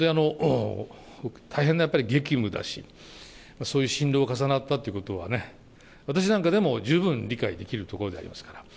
大変なやっぱり激務だし、そういう心労が重なったっていうことは、私なんかでも十分理解できるところでありますから。